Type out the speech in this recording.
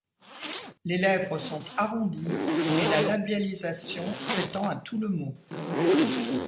Les lèvres sont arrondies et la labialisation s'étend à tout le mot.